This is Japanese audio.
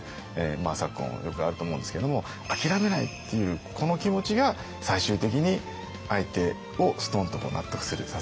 昨今よくあると思うんですけれども諦めないっていうこの気持ちが最終的に相手をストンと納得させる